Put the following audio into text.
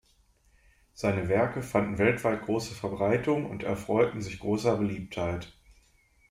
Seine Werke fanden weltweit große Verbreitung und erfreuten sich großer Beliebtheit.